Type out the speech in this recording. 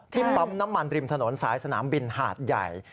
ปั๊มน้ำมันริมถนนสายสนามบินหาดใหญ่